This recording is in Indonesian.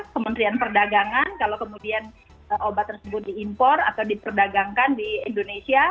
kementerian perdagangan kalau kemudian obat tersebut diimpor atau diperdagangkan di indonesia